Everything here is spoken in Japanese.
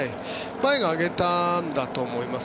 前が上げたんだと思います。